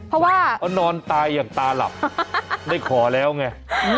เพราะว่าเขานอนตายอย่างตาหลับได้ขอแล้วไง